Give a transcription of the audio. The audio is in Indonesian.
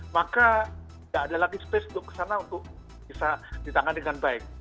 maka tidak ada lagi space untuk kesana untuk bisa ditangan dengan baik